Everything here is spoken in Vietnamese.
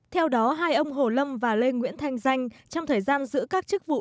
theo đó hai ông hồ lâm và lê nguyễn thanh danh trong thời gian giữ các chức vụ